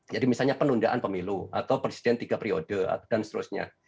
misalnya penundaan pemilu atau presiden tiga periode dan seterusnya